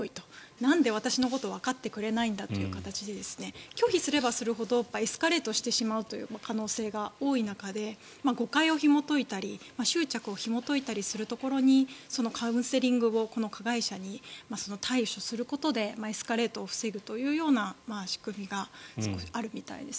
なんで私のことわかってくれないんだという形で拒否すればするほどエスカレートしてしまうという可能性が多い中で誤解をひもといたり執着をひもといたりするところにカウンセリングを加害者に対処することでエスカレートを防ぐという仕組みがあるみたいです。